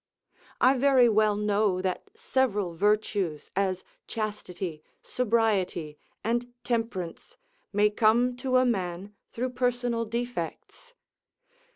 I very well know that several virtues, as chastity, sobriety, and temperance, may come to a man through personal defects.